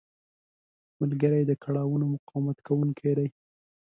ملګری د کړاوونو مقاومت کوونکی دی